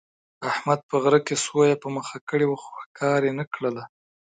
احمد په غره کې سویه په مخه کړې وه، خو ښکار یې نه کړله.